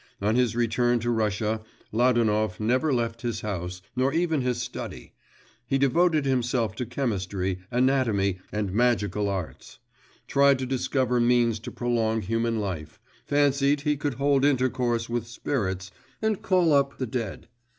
On his return to Russia, Ladanov never left his house, nor even his study; he devoted himself to chemistry, anatomy, and magical arts; tried to discover means to prolong human life, fancied he could hold intercourse with spirits, and call up the dead.